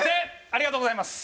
ありがとうございます！